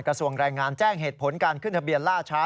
กระทรวงแรงงานแจ้งเหตุผลการขึ้นทะเบียนล่าช้า